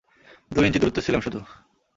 দুই ইঞ্চি দূরত্বে ছিলাম শুধু!